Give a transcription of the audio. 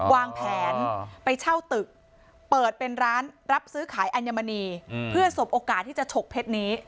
วางแผนไปเช่าตึกเปิดเป็นร้านรับซื้อขายอัญมณีเพื่อสบโอกาสที่จะฉกเพชรนี้